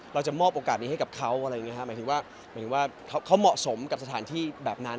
เราจะมอบโอกาสนี้ให้กับเขาหมายถึงว่าเขาเหมาะสมกับสถานที่แบบนั้น